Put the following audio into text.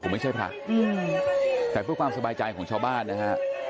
ผมไม่ใช่พระแต่เพื่อความสบายใจของชาวบ้านนะฮะ